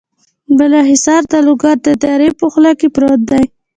بالا حصار د لوګر د درې په خوله کې پروت دی.